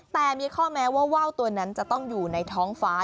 แต่มีข้อแม้ว่าว่าวตัวนั้นจะต้องอยู่ในท้องฟ้า